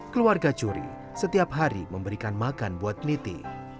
keluarga curi setiap hari memberikan makan buat niti